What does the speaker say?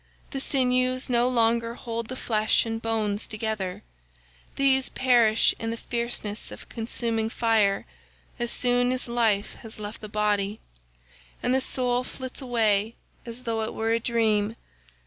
The sinews no longer hold the flesh and bones together; these perish in the fierceness of consuming fire as soon as life has left the body, and the soul flits away as though it were a dream.